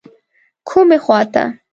کومې خواته.